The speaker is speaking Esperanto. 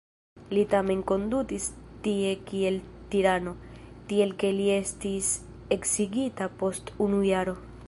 Li tamen kondutis tie kiel tirano, tiel ke li estis eksigita post unu jaro.